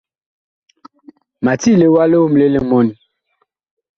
Ma tiile wa liomle li mɔni.